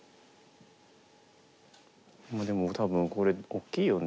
まあでも多分これ大きいよね